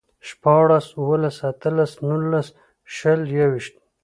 شپاړس، اووهلس، اتهلس، نولس، شل، يوويشت